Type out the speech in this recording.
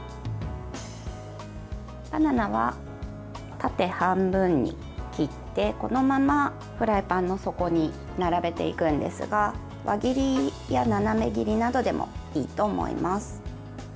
バナナは縦半分に切ってこのままフライパンの底に並べていくんですが輪切りや斜め切りなどでもいいと思います。